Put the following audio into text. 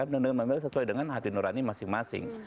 dan memilih sesuai dengan hati nurani masing masing